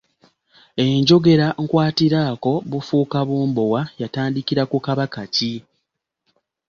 Enjogera "nkwatiraako bufuuka bumbowa" yatandikira ku Kabaka ki?